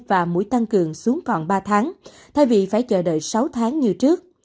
và mũi tăng cường xuống còn ba tháng thay vì phải chờ đợi sáu tháng như trước